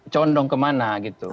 condong kemana gitu